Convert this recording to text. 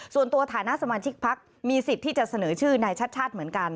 ส่วนตัวฐานะสมาชิกพักมีสิทธิ์ที่จะเสนอชื่อนายชัดชาติเหมือนกัน